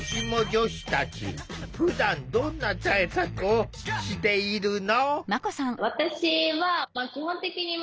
ふだんどんな対策をしているの？